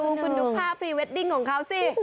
คุณดูภาพพรีเวดดิ้งของเขาสิ